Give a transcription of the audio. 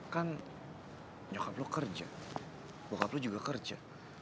kan nyokap lo kerja bokap lo juga kerja